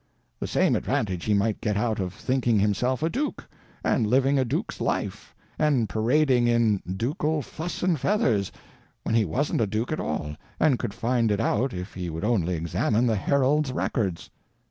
The same advantage he might get out of thinking himself a duke, and living a duke's life and parading in ducal fuss and feathers, when he wasn't a duke at all, and could find it out if he would only examine the herald's records.